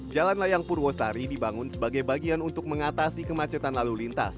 jalan layang purwosari dibangun sebagai bagian untuk mengatasi kemacetan lalu lintas